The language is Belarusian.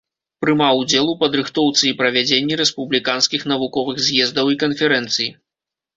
Прымаў удзел у падрыхтоўцы і правядзенні рэспубліканскіх навуковых з'ездаў і канферэнцый.